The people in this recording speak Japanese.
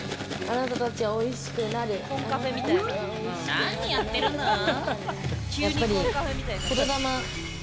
何やってるぬん？